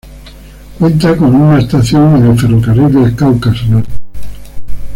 Cuenta con una estación en el ferrocarril del Cáucaso Norte.